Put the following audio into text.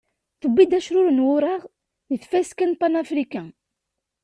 Tewwi-d acrur n wuraɣ deg tfaska n Panafrican.